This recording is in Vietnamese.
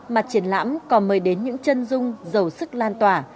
mà triển lãm còn mời đến những chân dung giàu sức lan tỏa